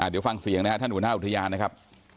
เดี๋ยวฟังเสียงนะครับท่านหัวหน้าอุทยานนะครับ